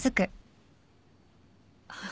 あっ。